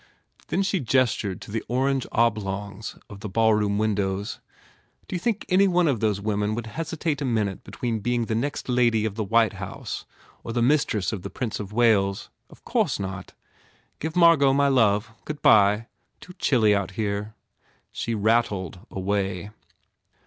Then she gestured to the orange oblongs of the ballroom windows. "D you think any one of those women would hesitate a minute between being the next lady of the White House or the mistress of the Prince of Wales? Of course not! Give Margot my love. Good bye. Too chilly out here." She rattled away.